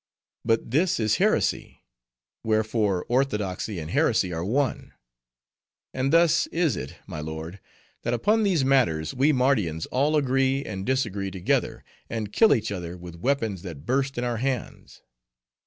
But this is a heresy; wherefore, orthodoxy and heresy are one. And thus is it, my lord, that upon these matters we Mardians all agree and disagree together, and kill each other with weapons that burst in our hands.